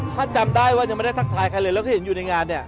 ถ้าจำได้ว่ายังไม่ได้ทักทายใครเลยแล้วก็เห็นอยู่ในงานเนี่ย